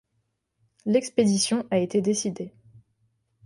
L’expédition a été décidée.